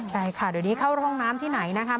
ใช่ค่ะเดี๋ยวนี้เข้าห้องน้ำที่ไหนนะคะ